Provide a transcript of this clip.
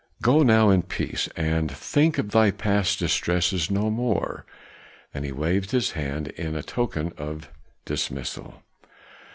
Go now in peace, and think of thy past distresses no more," and he waved his hand in token of dismissal.